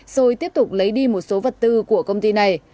rồi tiếp tục lấy đi một số vật tư của công ty này